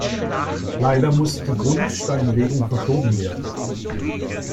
Leider muss die Grundsteinlegung verschoben werden.